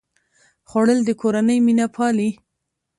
خوړل د کورنۍ مینه پالي